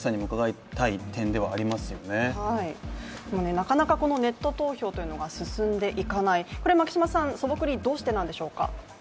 なかなかネット投票というのが進んでいかない、素朴にどうしてなんでしょうか？